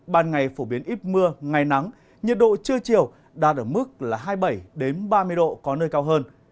ban ngày phổ biến ít mưa ngày nắng nhiệt độ trưa chiều đạt ở mức hai mươi bảy ba mươi độ có nơi cao hơn